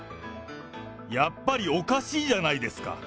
やっぱりおかしいじゃないですか。